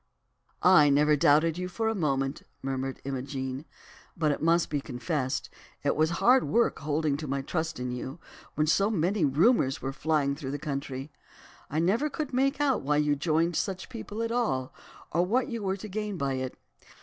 "I never doubted you for a moment," murmured Imogen, "but it must be confessed, it was hard work holding to my trust in you, when so many rumours were flying through the country. I never could make out why you joined such people at all, or what you were to gain by it.